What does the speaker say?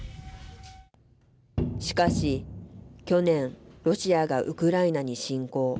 しかし去年、ロシアがウクライナに侵攻。